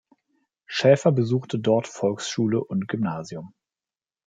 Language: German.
Schäfer besuchte dort Volksschule und Gymnasium.